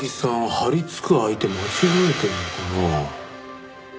張り付く相手間違えてるのかな？